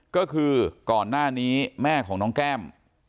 ก็คือก่อนหน้านี้แม่ของน้องแก้ม